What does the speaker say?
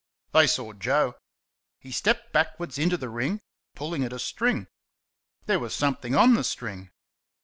They saw Joe. He stepped backwards into the ring, pulling at a string. There was something on the string.